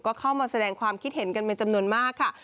ก็เข้ามาแสดงความคิดเห็นกันเป็นจำนวนมากค่ะ